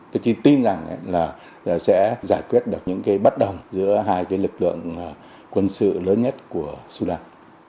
tôi tin rằng là sẽ giải quyết được những cái bất đồng giữa hai cái lực lượng quân sự lớn nhất của sudan